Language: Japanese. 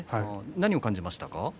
何を感じましたか。